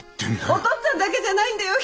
お父っつぁんだけじゃないんだよ